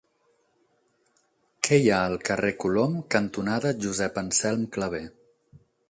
Què hi ha al carrer Colom cantonada Josep Anselm Clavé?